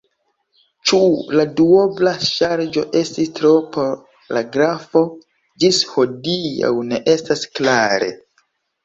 Ĉu la duobla ŝarĝo estis tro por la grafo ĝis hodiaŭ ne estas klare.